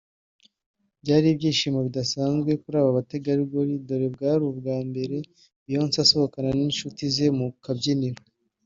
Byari ibyishimo bidasanzwe kuri aba bategarugori dore bwari ubwa mbere Beyonce asohokana n’inshuti ze mu kabyiniro